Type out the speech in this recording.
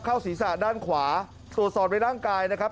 เข้าศีรษะด้านขวาตรวจสอบในร่างกายนะครับ